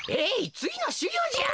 つぎのしゅぎょうじゃ。